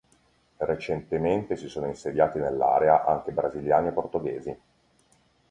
Recentemente si sono insediati nell'area anche brasiliani e portoghesi.